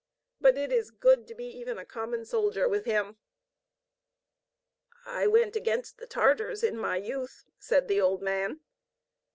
But it is good to be even a common soldier with Him." "I went against the Tartars in my youth," said the old man.